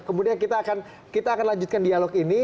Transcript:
kemudian kita akan lanjutkan dialog ini